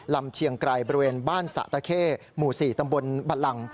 เชียงไกรบริเวณบ้านสะตะเข้หมู่๔ตำบลบันลัง